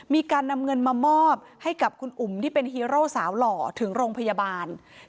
มีการนำเงินมามอบให้กับคุณอุ๋มที่เป็นฮีโร่สาวหล่อถึงโรงพยาบาล